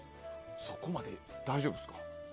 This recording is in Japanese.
そこまで大丈夫ですか？